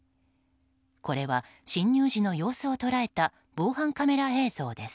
これは、侵入時の様子を捉えた防犯カメラ映像です。